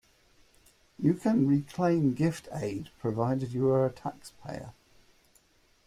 You can reclaim gift aid provided you are a taxpayer.